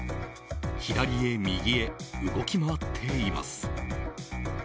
左へ右へ動き回っています。